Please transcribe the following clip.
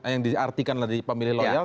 yang diartikan dari pemilih loyal